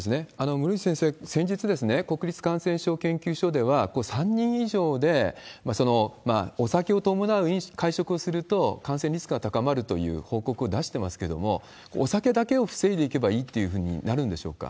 森内先生、先日、国立感染症研究所では、３人以上でお酒を伴う会食をすると、感染リスクが高まるという報告を出してますけれども、お酒だけを防いでいけばいいというふうになるんでしょうか。